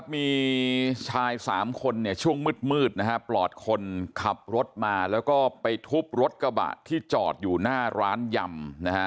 มีชายสามคนเนี่ยช่วงมืดมืดนะฮะปลอดคนขับรถมาแล้วก็ไปทุบรถกระบะที่จอดอยู่หน้าร้านย่ำนะฮะ